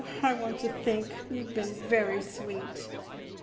I want to think. You've been very sweet."